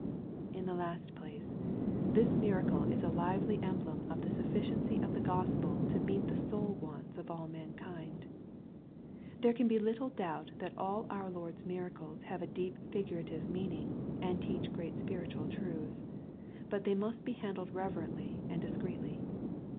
In the last place, this miracle is a Uvdy emblevn of the sufficiency of the Chspd to meet the sout wants of all man^ kind. There can be little doubt that all our Lord's miracles have a deep figurative meaning, and teach great spiritual truths. But they must be handled reverently and dis creetly.